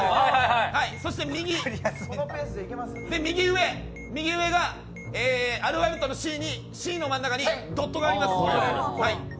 そして右上が、アルファベットのＣの真ん中にドットがあります。